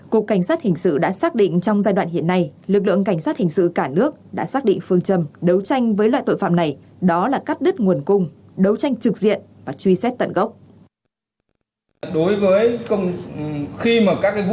cục cảnh sát hình sự đã xác định trong giai đoạn hiện nay lực lượng cảnh sát hình sự cả nước đã xác định phương châm